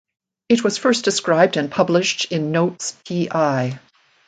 It was first described and published in Notes Pl.